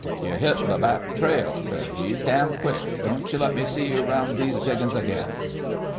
"You hit th' back trail," said he, "damn quick! Don't you let me see you 'round these diggings again."